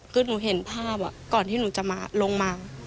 คือหนูเห็นภาพก่อนที่หนูจะมาลงมา